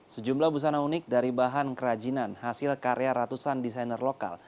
sejumlah busana unik dari bahan kerajinan hasil karya ratusan desainer lokal